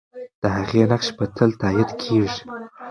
د هغې نقش به تل تایید کېږي.